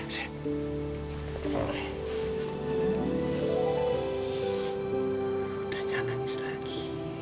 udah jangan nangis lagi